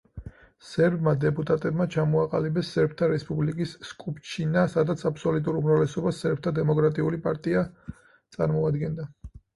სერბმა დეპუტატებმა ჩამოაყალიბეს სერბთა რესპუბლიკის სკუპშჩინა, სადაც აბსოლუტურ უმრავლესობას სერბთა დემოკრატიული პარტია წარმოადგენდა.